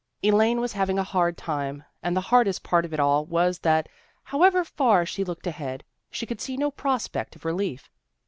Elaine was having a hard tune, and the hardest part of it all was that, however far she looked ahead, she could see no prospect of relief.